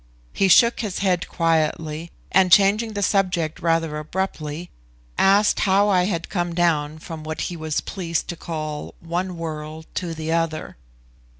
He shook his head quietly, and, changing the subject rather abruptly, asked how I had come down from what he was pleased to call one world to the other.